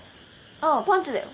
ああパンチだよ。